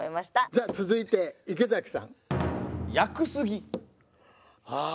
じゃあ続いて池崎さん。ああ。